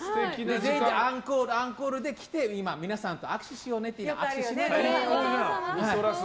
全員でアンコール、アンコールで、来て今、皆さんと握手しようねって握手しています。